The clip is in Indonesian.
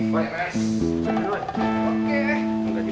pak ya mas